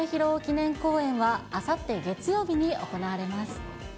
白えんの襲名披露記念公演は、あさって月曜日に行われます。